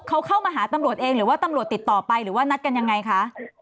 เขาเข้ามาหาตำรวจเองหรือว่าตำรวจติดต่อไปหรือว่านัดกันยังไงคะ